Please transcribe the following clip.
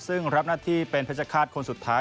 ซึ่งรับหน้าที่เป็นเพชรฆาตคนสุดท้าย